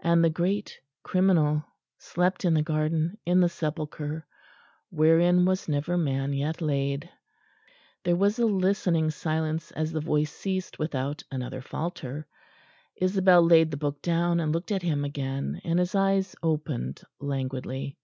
And the great Criminal slept in the garden, in the sepulchre "wherein was never man yet laid." There was a listening silence as the voice ceased without another falter. Isabel laid the book down and looked at him again; and his eyes opened languidly.